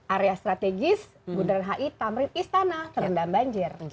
area strategis bundaran hi tamrin istana terendam banjir